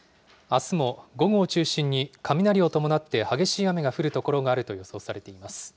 あすも午後を中心に、雷を伴って激しい雨の降る所があると予想されています。